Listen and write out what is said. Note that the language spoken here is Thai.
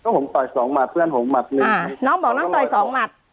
ผมต่อยสองหมัดเพื่อนผมหมัดหนึ่งค่ะน้องบอกน้องต่อยสองหมัด